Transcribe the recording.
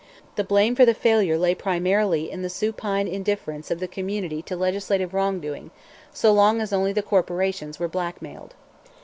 The blame for the failure lay primarily in the supine indifference of the community to legislative wrong doing, so long as only the corporations were blackmailed.